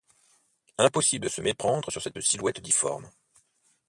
Impossible de se méprendre sur cette silhouette difforme.